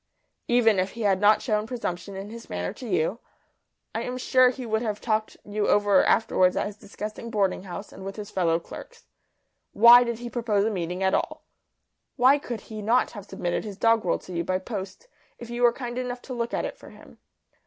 Even if he had not shown presumption in his manner to you, I am sure he would have talked you over afterwards at his disgusting boarding house and with his fellow clerks. Why did he propose a meeting at all? Why could he not have submitted his doggerel to you by post, if you were kind enough to look at it for him?